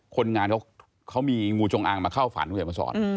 คนงานเขามีงูจงอางมาเข้าฝันมาสอน